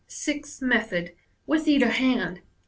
Sixth Method. (With either hand.)